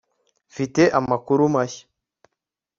mfite amakuru mashya